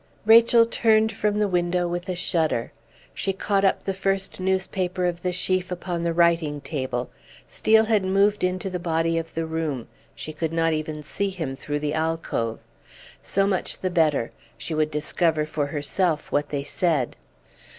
Rachel turned from the window with a shudder; she caught up the first newspaper of the sheaf upon the writing table. Steel had moved into the body of the room; she could not even see him through the alcove. So much the better; she would discover for herself what they said.